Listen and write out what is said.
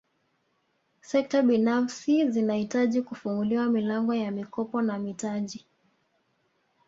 Sekta binafsi zinahitaji kufunguliwa milango ya mikopo na mitaji